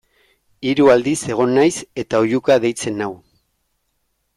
Hiru aldiz egon naiz eta oihuka deitzen nau.